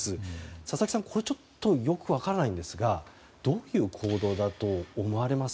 佐々木さん、これちょっとよく分からないんですがどういう行動だと思われます？